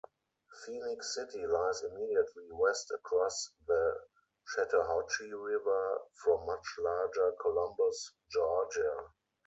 Phenix City lies immediately west across the Chattahoochee River from much larger Columbus, Georgia.